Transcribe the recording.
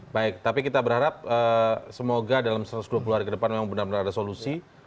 baik tapi kita berharap semoga dalam satu ratus dua puluh hari ke depan memang benar benar ada solusi